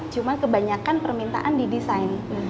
cuman kebanyakan permintaan di desain